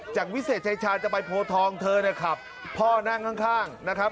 วิเศษชายชาญจะไปโพทองเธอเนี่ยขับพ่อนั่งข้างนะครับ